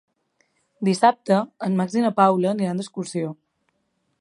Dissabte en Max i na Paula aniran d'excursió.